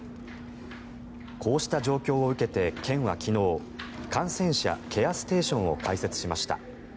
こうした状況を受けて県は昨日感染者ケアステーションを開設しました。